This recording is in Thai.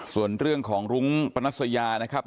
ส่วนเรื่องของรุ้งปนัสยานะครับ